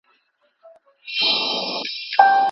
ما ورته کتل خو هغې خپل نظر بل لوري ته ساتلی و.